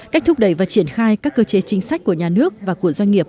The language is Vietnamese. cách thúc đẩy và triển khai các cơ chế chính sách của nhà nước và của doanh nghiệp